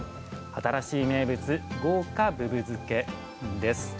新しい名物「豪華ぶぶ漬け」です。